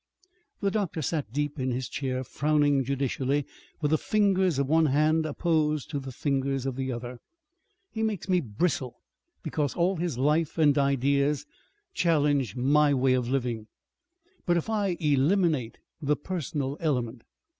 The doctor sat deep in his chair, frowning judicially with the fingers of one hand apposed to the fingers of the other. "He makes me bristle because all his life and ideas challenge my way of living. But if I eliminate the personal element?"